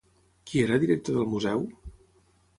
Qui era director del museu?